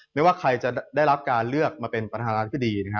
ไม่ว่าใครจะได้รับการเลือกมาเป็นประธานรัฐก็ดี